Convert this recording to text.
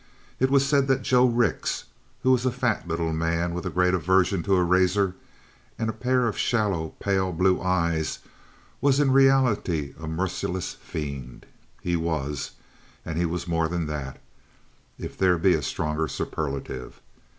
It was said that Joe Rix, who was a fat little man with a great aversion to a razor and a pair of shallow, pale blue eyes, was in reality a merciless fiend. He was; and he was more than that, if there be a stronger superlative.